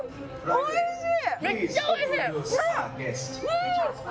おいしい！